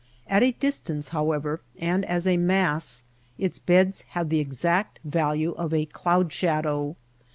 At a dis tance, however, and as a mass, its beds have the exact value of a cloud shadow.